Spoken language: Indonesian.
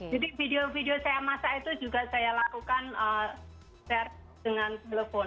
jadi video video saya masa itu juga saya lakukan share dengan telepon